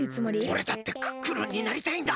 おれだってクックルンになりたいんだ。